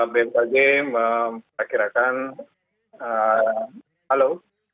bmkg memperkirakan halo